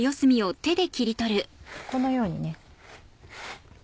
このように。